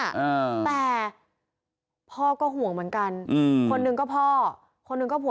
อ่าแต่พ่อก็ห่วงเหมือนกันอืมคนหนึ่งก็พ่อคนหนึ่งก็ผัว